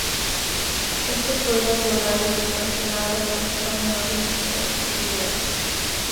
Estos podrían volar o flotar sin alas porque son menos pesados que el aire.